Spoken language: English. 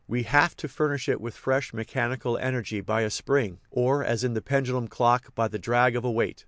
We have to furnish it with fresh mechanical energy by a spring (or, as in the pendulum clock, by the drag of a weight).